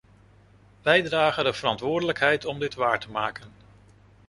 Wij dragen de verantwoordelijkheid om dit waar te maken.